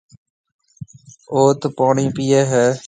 اوٿ پوڻِي پِئي هيَ۔